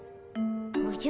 おじゃ？